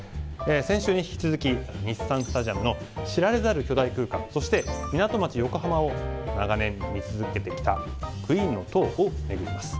先週に引き続き日産スタジアムの知られざる巨大空間そして港町横浜を長年見続けてきたクイーンの塔を巡ります。